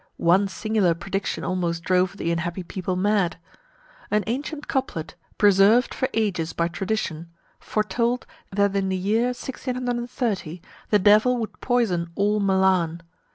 One singular prediction almost drove the unhappy people mad. An ancient couplet, preserved for ages by tradition, foretold, that in the year 1630 the devil would poison all Milan.